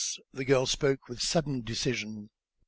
The girl spoke with sudden decision.